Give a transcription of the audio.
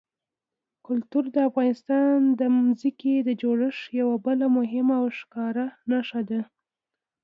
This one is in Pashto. کلتور د افغانستان د ځمکې د جوړښت یوه بله مهمه او ښکاره نښه ده.